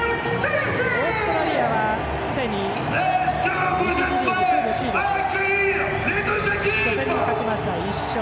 オーストラリアはすでに１次リーグ、プールＣですが初戦勝ちまして、１勝。